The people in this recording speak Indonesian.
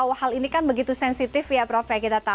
karena hal ini kan begitu sensitif